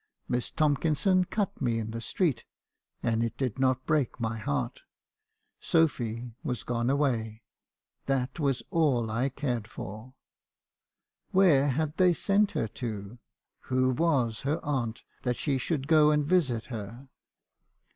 Miss Tomkinson cut me in the street; and it did not break my heart. Sophy was gone away; that was all I cared for. Where had they sent her to? Who was her aunt, that she should go and visit her?